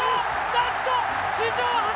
なんと史上初！